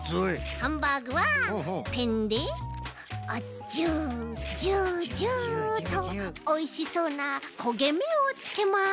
ハンバーグはペンでジュジュジュっとおいしそうなこげめをつけます。